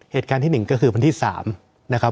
เหตุการณ์ที่หนึ่งก็คือพันธุ์ที่สามนะครับ